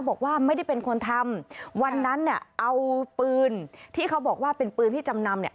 บอกว่าไม่ได้เป็นคนทำวันนั้นเนี่ยเอาปืนที่เขาบอกว่าเป็นปืนที่จำนำเนี่ย